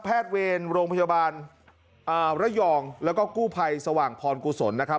แพทย์เวรโรงพยาบาลอ่าละยองแล้วก็กู้ภัยสว่างพรโกศลนะครับ